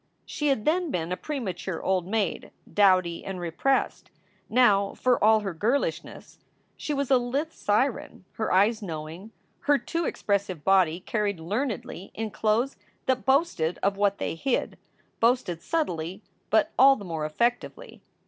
She had then been a premature old maid, dowdy and repressed. Now, for all her girlishness, she was a lithe siren, her eyes knowing, her too expressive body carried learnedly in clothes that boasted of what they hid, boasted subtly but all the more effectively.